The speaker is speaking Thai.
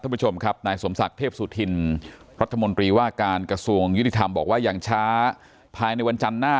ท่านผู้ชมครับนายสมศักรณ์เทพสุทินรัฐมนตรีว่าการกระทรวงยุติธรรมบอกว่าอย่างช้า